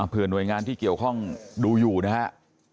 อ่าเผื่อหน่วยงานที่เกี่ยวข้องดูอยู่นะฮะ